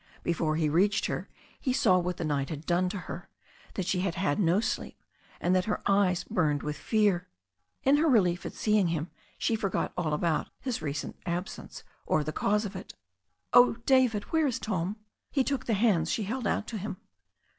Before he reached her he saw what the night had done to her, that she had had no sleep, and that her eyes burned with fear. In her relief at seeing him she forgot all about his recent absence or the cause for it. "Oh, David, where is Tom ?" He took the hands she held out to him.